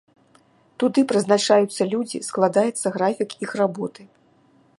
Туды прызначаюцца людзі, складаецца графік іх работы.